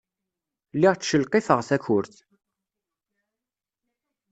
Lliɣ ttcelqifeɣ takurt.